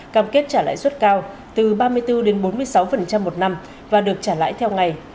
cam kết trả lãi suất cao từ ba mươi bốn đến bốn mươi sáu một năm và được trả lãi theo ngày